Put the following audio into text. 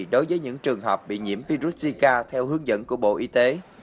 đối với những trường hợp bị nhiễm virus zika theo hướng dẫn của bộ y tế